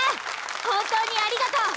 本当にありがとう。